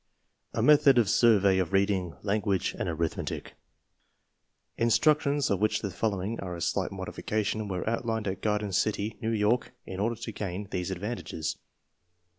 A METHOD OF SURVEY OF READING, LANGUAGE, AND ARITHMETIC Instructions (of which the following are a slight modification) were outlined at Garden City, New York, in order to gain these advantages.